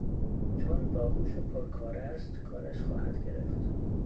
چون باهوش و پرکار است کارش خواهد گرفت.